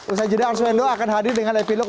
usaha jenderal soehendo akan hadir dengan epilog